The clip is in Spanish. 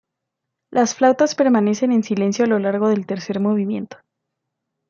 Las flautas permanecen en silencio a lo largo del tercer movimiento.